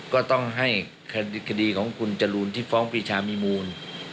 ก็ต้องให้คดีของคุณจรูนที่ฟ้องปีชามีมูล